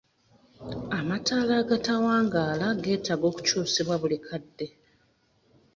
Amatala agatawangala geetaaga okukyusibwanga buli kadde.